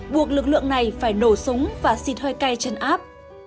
buộc lực lượng này phải nổ súng và xịt hơi cay chân áp